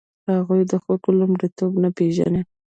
هغوی د خلکو لومړیتوب نه پېژني.